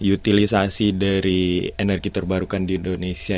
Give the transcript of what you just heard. utilisasi dari energi terbarukan di indonesia